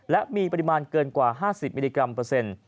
และมีปริมาณเกินกว่า๕๐มิลลิกรัมเปอร์เซ็นต์